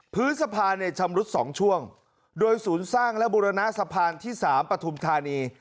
พื้นสะพานเนี่ยชำรุด๒ช่วงโดยศูนย์สร้างและบุรณะสะพานที่๓ปฐุมธานี